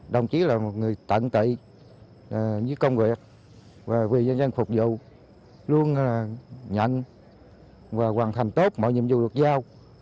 đồng chí là một người tận tụy với công việc và vì dân dân phục vụ luôn nhận và hoàn thành tốt mọi nhiệm vụ được giao